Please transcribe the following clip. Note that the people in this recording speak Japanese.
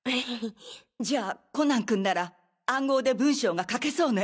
じゃあコナン君なら暗号で文章が書けそうね！